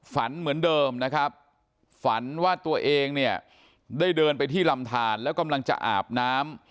ฝันเหมือนเดิมนะครับฝันว่าตัวเองเนี่ยได้เดินไปที่ลำทานแล้วกำลังจะอาบน้ำ